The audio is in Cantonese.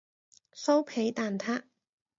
酥皮蛋撻